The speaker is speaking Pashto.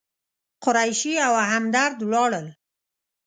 قریشي او همدرد ولاړل.